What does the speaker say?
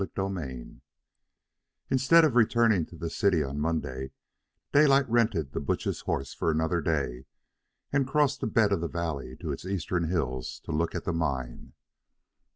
CHAPTER IX Instead of returning to the city on Monday, Daylight rented the butcher's horse for another day and crossed the bed of the valley to its eastern hills to look at the mine.